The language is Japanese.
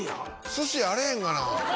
「寿司やあらへんがな！」